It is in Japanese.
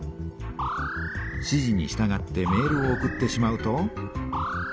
指じにしたがってメールを送ってしまうと。